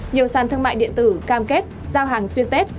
nhiều sàn thương mại điện tử cam kết giao hàng xuyên tết